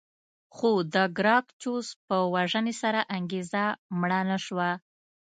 خو د ګراکچوس په وژنې سره انګېزه مړه نه شوه